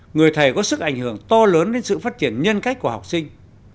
người thầy có sức ảnh hưởng to lớn đến sự phát triển nhân cách của học sinh